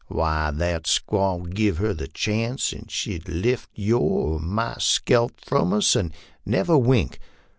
Why, that squaw give her the chance, and she'd lift your or my scalp for us and never wink.